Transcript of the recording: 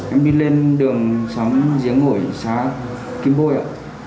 em đi lên đường xóm giếng ngổi xá kim bôi ạ